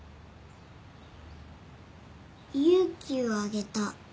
勇気をあげた。